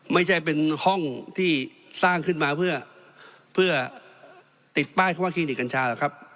ไม่ใช่เป็นห้องที่สร้างขึ้นมาเพื่อติดป้ายคำว่าคลินิกกัญชาหรอกครับ